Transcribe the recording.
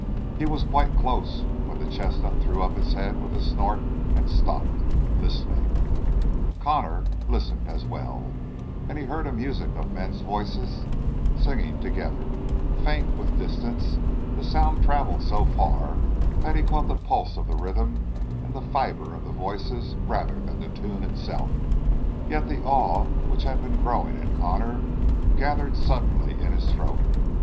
He was quite close when the chestnut threw up its head with a snort and stopped, listening; Connor listened as well, and he heard a music of men's voices singing together, faint with distance; the sound traveled so far that he caught the pulse of the rhythm and the fiber of the voices rather than the tune itself, yet the awe which had been growing in Connor gathered suddenly in his throat.